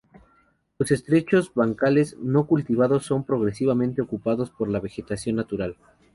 Los estrechos bancales no cultivados son progresivamente ocupados por la vegetación natural.